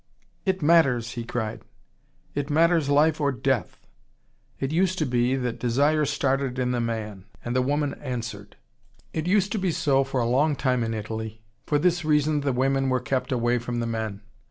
"It matters!" he cried. "It matters life or death. It used to be, that desire started in the man, and the woman answered. It used to be so for a long time in Italy. For this reason the women were kept away from the men.